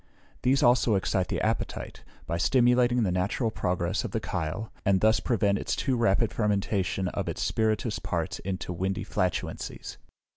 These also excite the appetite, by stimulating the natural progress of the chyle, and thus prevent its too rapid fermentation of its spirituous parts into windy flatulencies.